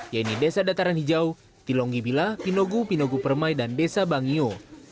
yaitu desa dataran hijau tilongi bila pinogu pinogu permai dan desa bangio